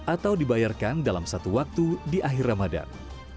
atau dibayarkan dalam satu waktu di akhir ramadan